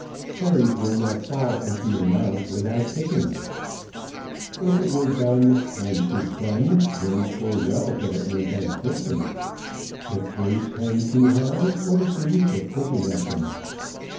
Cherries will not fall into your mouth without picking. "If it were done, when 'tis done then 'twere well it were done quickly." If grapes hang too high what is the use of thinking of them?